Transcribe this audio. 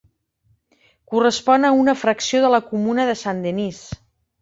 Correspon a una fracció de la comuna de Saint-Denis.